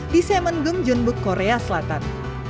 di samen gung jeonbuk korea selatan